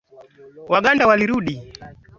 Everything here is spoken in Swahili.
Naja hivi hukatai